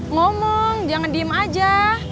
ngomong jangan diem aja